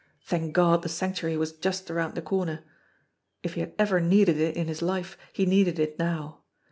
Thank God, the Sanctuary was just around the corner ! If he had ever needed it in his life, he needed it now.